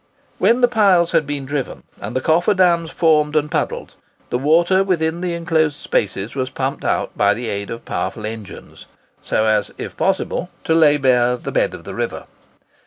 When the piles had been driven and the coffer dams formed and puddled, the water within the enclosed spaces was pumped out by the aid of powerful engines, so as, if possible, to lay bare the bed of the river.